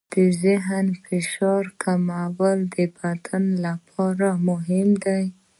د ذهني فشار کمول د بدن لپاره مهم دي.